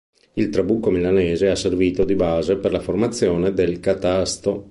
Il trabucco milanese ha servito di base per la formazione del catasto.